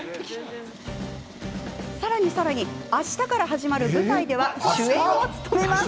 さらに、さらに明日から始まる舞台では主演を務めます。